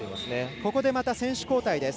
ここでまた選手交代です。